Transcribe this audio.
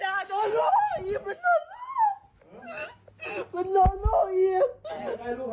อย่าโดนโลกมันโดนโลก